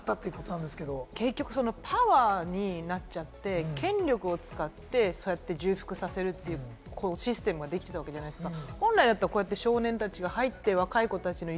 結局、パワーになっちゃって、権力を使って服従させるシステムができていたわけじゃないですか？